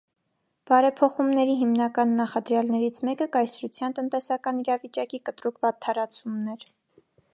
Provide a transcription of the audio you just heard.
Բարեփոխումների հիմնական նախադրյալներից մեկը կայսրության տնտեսական իրավիճակի կտրուկ վատթարացումն էր։